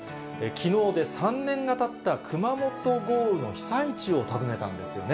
きのうで３年がたった熊本豪雨の被災地を訪ねたんですよね？